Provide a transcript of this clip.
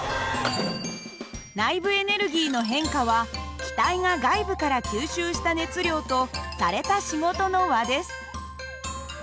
内部エネルギーの変化は気体が外部から吸収した熱量とされた仕事の和です。